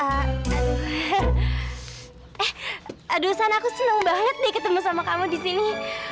eh aduh san aku seneng banget deh ketemu sama kamu di sini